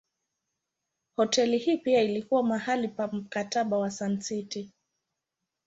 Hoteli hii pia ilikuwa mahali pa Mkataba wa Sun City.